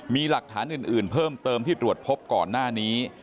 มีหลักฐานอื่นเพิ่มเติมที่ตรวจพบก่อนหน้านี้